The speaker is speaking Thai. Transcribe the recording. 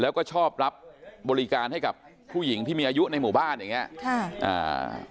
แล้วก็ชอบรับบริการให้กับผู้หญิงที่มีอายุในหมู่บ้านอย่างเงี้ยค่ะอ่า